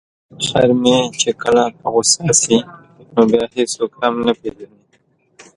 خر مې چې کله په غوسه شي نو بیا هیڅوک هم نه پيژني.